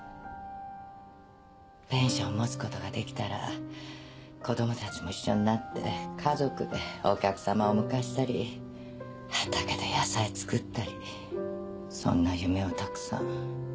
ペンション持つことができたら子どもたちも一緒になって家族でお客様をお迎えしたり畑で野菜作ったりそんな夢をたくさん。